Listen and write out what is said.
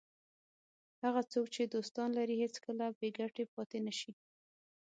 هغه څوک چې دوستان لري هېڅکله بې ګټې پاتې نه شي.